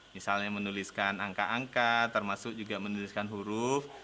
misalnya menuliskan angka angka termasuk juga menuliskan huruf